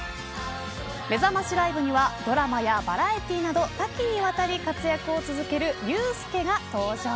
めざましライブにはドラマやバラエティーなど多岐にわたり活躍を続ける遊助が登場。